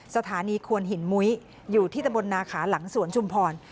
สถานีควนหินมุ้ยอยู่ที่ตะบนนาขาหลังสวนชุมพร